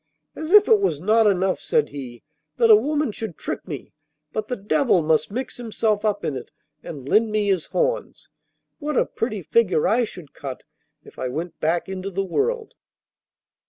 'As if it was not enough,' said he, 'that a woman should trick me, but the devil must mix himself up in it and lend me his horns. What a pretty figure I should cut if I went back into the world!